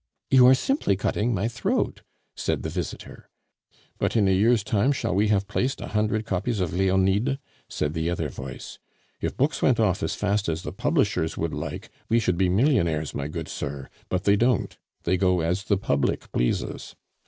"You are simply cutting my throat!" said the visitor. "But in a year's time shall we have placed a hundred copies of Leonide?" said the other voice. "If books went off as fast as the publishers would like, we should be millionaires, my good sir; but they don't, they go as the public pleases.